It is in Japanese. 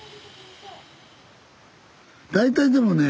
大体でもね